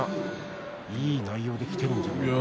いい内容できてるんじゃないですか？